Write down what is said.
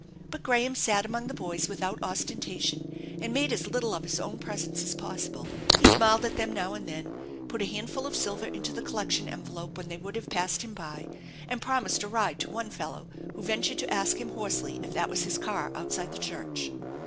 But Graham eat among the boys without ostentation, and made as little of his own presence as possible. He smiled at them now and then, put a handful of silver into the collection envelope when they would have passed him by, and promised a ride to one fellow who ventured to ask him hoarsely if that was his car outside the church.